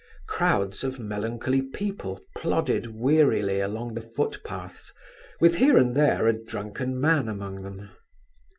Crowds of melancholy people plodded wearily along the footpaths, with here and there a drunken man among them.